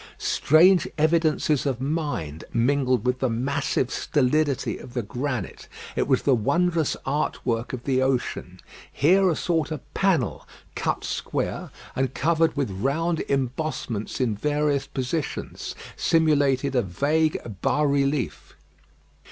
Strange evidences of mind mingled with the massive stolidity of the granite. It was the wondrous art work of the ocean. Here a sort of panel, cut square, and covered with round embossments in various positions, simulated a vague bas relief.